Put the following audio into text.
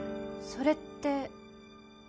それって。